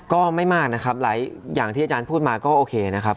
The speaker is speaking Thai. ก็ไม่มากนะครับหลายอย่างที่อาจารย์พูดมาก็โอเคนะครับ